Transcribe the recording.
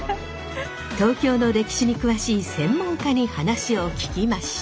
東京の歴史に詳しい専門家に話を聞きました。